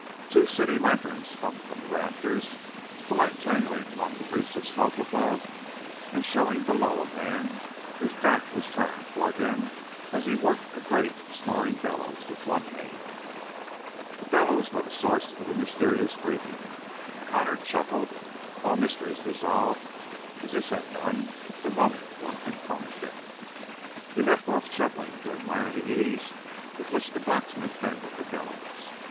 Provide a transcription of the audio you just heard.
Two sooty lanterns hung from the rafters, the light tangling among wreaths of smoke above and showing below a man whose back was turned toward them as he worked a great snoring bellows with one hand. That bellows was the source of the mysterious breathing. Connor chuckled; all mysteries dissolved as this had done the moment one confronted them. He left off chuckling to admire the ease with which the blacksmith handled the bellows.